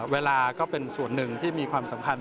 เวลาก็เป็นส่วนหนึ่งที่มีความสำคัญ